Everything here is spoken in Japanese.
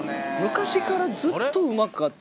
昔からずっとうまかった？